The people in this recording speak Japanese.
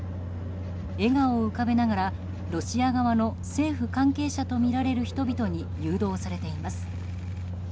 笑顔を浮かべながら、ロシア側の政府関係者とみられる人々に誘導されています。